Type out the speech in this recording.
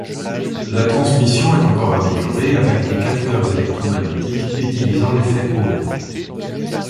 La transmission est encore améliorée, avec des capteurs électro-magnétiques utilisant l'effet Hall.